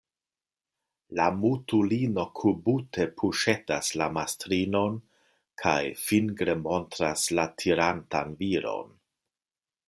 La mutulino kubute puŝetas la mastrinon kaj fingre montras la tirantan viron.